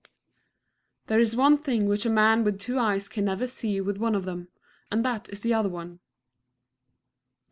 There is one thing which a man with two eyes can never see with one of them, and that is the other one.